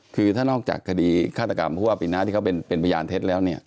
คือถ้านอกจากคดีฆาตกรรมพวกอพิณะที่เขาเป็นพญานเทศแล้ว